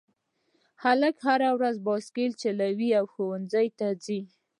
هلک هره ورځ بایسکل چلوي او ښوونځي ته ځي